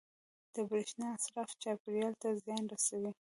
• د برېښنا اسراف چاپېریال ته زیان رسوي.